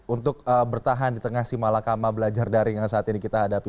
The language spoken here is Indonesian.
untuk bertahan di tengah si malakama belajar daring yang saat ini kita hadapi